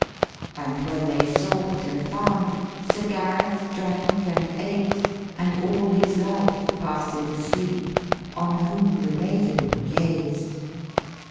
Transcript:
And when they sought and found, Sir Gareth drank and ate, and all his life Past into sleep; on whom the maiden gazed.